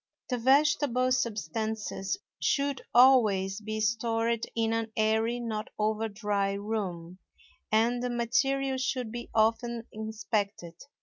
The vegetable substances should always be stored in an airy, not over dry room; and the material should be often inspected.